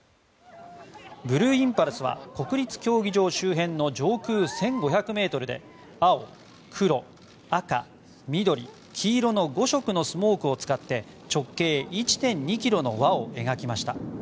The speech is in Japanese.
ブルーインパルスは国立競技場周辺の上空１５００ｍで青、黒、赤、緑、黄色の５色のスモークを使って直径１．２キロの輪を描きました。